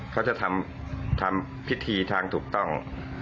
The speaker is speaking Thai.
เขาจะทำพิธีทางถูกต้อง